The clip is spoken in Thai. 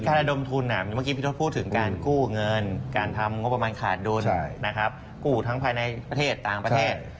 ระดมทุนเมื่อกี้พี่ทศพูดถึงการกู้เงินการทำงบประมาณขาดดุลนะครับกู้ทั้งภายในประเทศต่างประเทศ